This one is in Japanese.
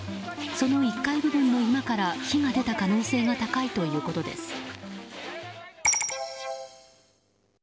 その１階部分の居間から火が出た可能性が高いということです。